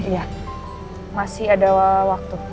ya masih ada waktu